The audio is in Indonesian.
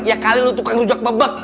ya kali lo tukang rujak bebek